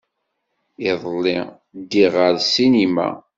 Iḍelli, ddiɣ ɣer ssinima.